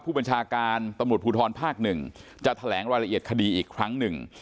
ผู้บัญชาการตำรวจภูทรภาค๑จะแถลงรายละเอียดคดีอีกครั้งหนึ่ง